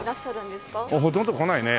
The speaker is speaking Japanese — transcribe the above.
ほとんど来ないね。